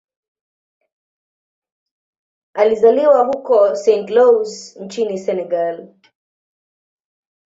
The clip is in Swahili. Alizaliwa huko Saint-Louis nchini Senegal.